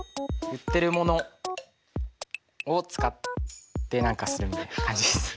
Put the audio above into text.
売ってるものを使って何かするみたいな感じです。